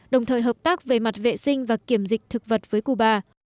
đồng thời hợp tác về mặt vệ sinh và kiểm dịch thực vật với cuba